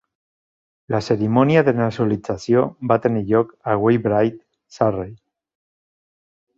La cerimònia de nacionalització va tenir lloc a Weybridge, Surrey.